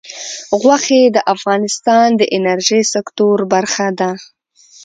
غوښې د افغانستان د انرژۍ سکتور برخه ده.